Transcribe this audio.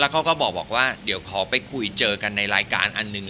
เขาก็บอกว่าเดี๋ยวขอไปคุยเจอกันในรายการอันหนึ่ง